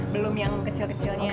belum yang kecil kecilnya